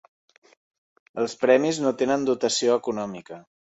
Els premis no tenen dotació econòmica.